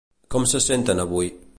Com se senten avui?